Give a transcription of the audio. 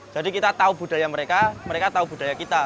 jadi kita tahu budaya mereka mereka tahu budaya kita